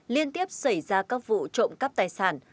liên tiếp xảy ra các vụ trộm cắp tài sản